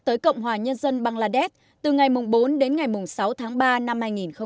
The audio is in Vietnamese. tới cộng hòa nhân dân bangladesh từ ngày bốn đến ngày sáu tháng ba năm hai nghìn hai mươi